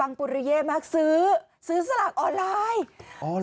ปังปุเรียมากซื้อซื้อสลักออนไลน์